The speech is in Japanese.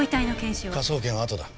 科捜研はあとだ。